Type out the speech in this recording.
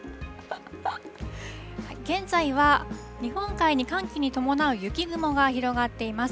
現在は、日本海に寒気に伴う雪雲が広がっています。